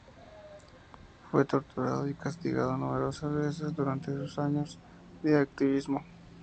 Fue torturado y castigado numerosas veces durante sus años de activismo.